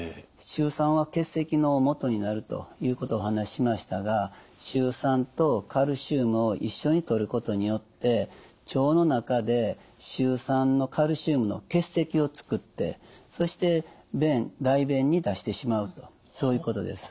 シュウ酸は結石のもとになるということをお話ししましたがシュウ酸とカルシウムを一緒にとることによって腸の中でシュウ酸のカルシウムの結石を作ってそして便大便に出してしまうとそういうことです。